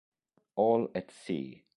All at Sea